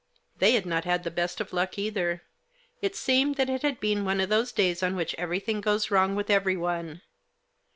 They had not had the best of luck either. It seemed that it had been one of those days on which everything goes wrong with everyone.